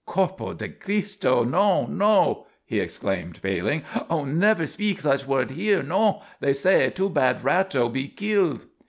"Corpo di Christo! Non! Non!" he exclaimed, paling. "Oh, never speek such word here! Non! They say, too bad Ratto he keeled!"